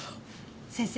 先生。